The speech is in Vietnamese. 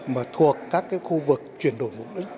mà thuộc các khu vực chuyển đổi mục đích